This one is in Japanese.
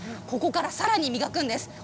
ここからさらに磨くんです。